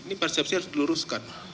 ini persepsi harus diluruskan